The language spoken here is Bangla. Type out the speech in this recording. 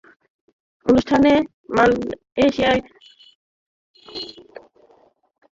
অনুষ্ঠানে মালয়েশিয়ায় অধ্যয়নরত কয়েকজন বাংলাদেশি কৃতি শিক্ষার্থীকে বিএসএন একাডেমিক অ্যাওয়ার্ড দেওয়া হবে।